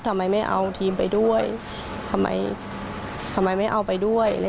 ทำไมไม่เอาทีมไปด้วยทำไมทำไมไม่เอาไปด้วย